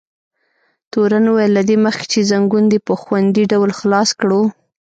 تورن وویل: له دې مخکې چې ځنګون دې په خوندي ډول خلاص کړو.